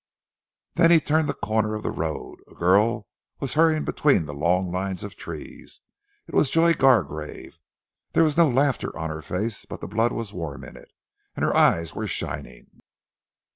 Then he turned the corner of the road. A girl was hurrying between the long lines of trees. It was Joy Gargrave. There was no laughter on her face, but the blood was warm in it, and her eyes were shining.